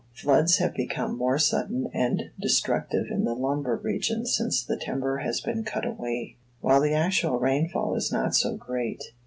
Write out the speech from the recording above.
Floods have become more sudden and destructive in the lumber regions since the timber has been cut away, while the actual rainfall is not so great.